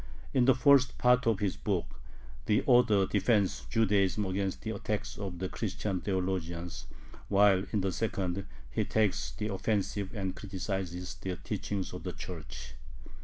In the first part of his book, the author defends Judaism against the attacks of the Christian theologians, while in the second he takes the offensive and criticizes the teachings of the Church.